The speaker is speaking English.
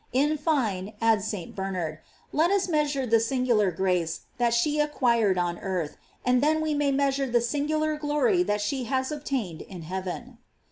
f In fine, adds St. Bernard, let us measure the sin* gular grace that she acquired on earth, and then we may measure the singular glory that she has obtained in heaven.